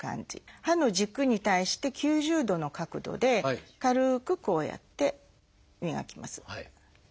歯の軸に対して９０度の角度で軽くこうやって磨きます。